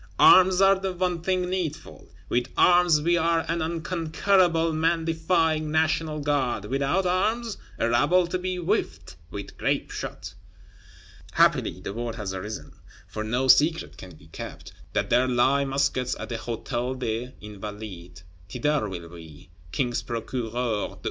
Arms are the one thing needful: with arms we are an unconquerable man defying National Guard; without arms, a rabble to be whiffed with grape shot. Happily the word has arisen, for no secret can be kept, that there lie muskets at the Hôtel des Invalides. Thither will we: King's Procureur M.